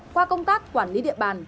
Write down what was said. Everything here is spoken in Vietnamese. qua công tác quản lý địa bàn